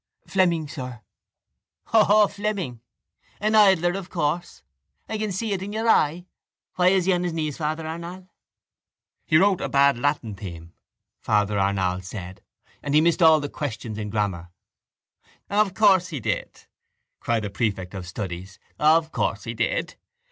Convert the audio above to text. —Fleming, sir. —Hoho, Fleming! An idler of course. I can see it in your eye. Why is he on his knees, Father Arnall? —He wrote a bad Latin theme, Father Arnall said, and he missed all the questions in grammar. —Of course he did! cried the prefect of studies, of course he did!